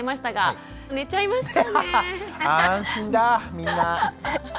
みんな。